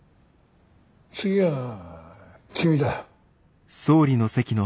次は君だ。